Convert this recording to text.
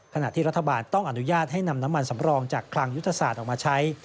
ขณะที่รัฐบาลต้องอนุญาตให้นำน้ำมันสำรองจากคลังยุทธศาสตร์ออกมาใช้